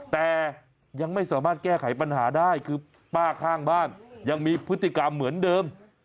แต่ยังไม่สามารถแก้ไขปัญหาได้คือป้าข้างบ้านยังมีพฤติกรรมเหมือนเดิม